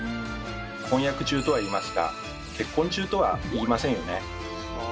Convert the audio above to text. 「婚約中」とは言いますが「結婚中」とは言いませんよね？